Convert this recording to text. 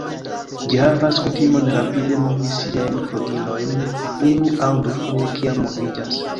Ĝi havas kutimon rapide movi siajn flugilojn unu aŭ dufoje kiam moviĝas.